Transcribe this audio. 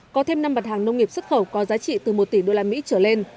có thêm năm mặt hàng nông nghiệp xuất khẩu có giá trị từ một tỷ usd trở lên